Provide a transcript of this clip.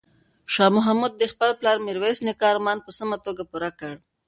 شاه محمود د خپل پلار میرویس نیکه ارمان په سمه توګه پوره کړ.